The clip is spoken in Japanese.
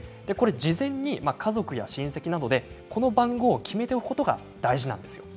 事前に、家族や親戚などでこの番号を決めておくことが大事なんですよ。